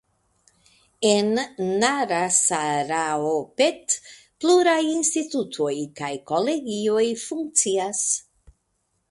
En Narasaraopet pluraj institutoj kaj kolegioj funkcias.